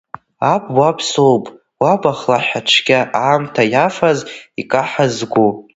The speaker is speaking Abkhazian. Аб уаб соуп, уаб ахлаҳәацәгьа, аамҭа иафаз, икаҳаз згәы.